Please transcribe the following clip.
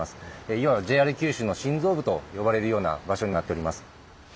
いわばＪＲ九州の心臓部と呼ばれるような場所になっております。